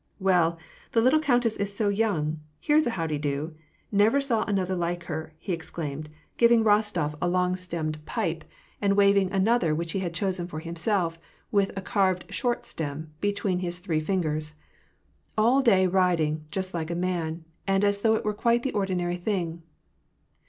" Well, the little countess is so young — here's a how de do !;— Never saw another like her !" he exclaimed, giving Rostof 272 WAR AND PEACE. a long stemmed pipe, and waving another which he had chosen for himself with a carved short stem, between his three fingers. '^ All day riding, just like a man, and as though it were quite the ordinary thing."